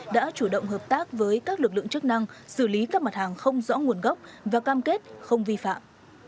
đã chủ động hợp tác với các lực lượng chức năng xử lý các mặt hàng không rõ nguồn gốc và cam kết không vi phạm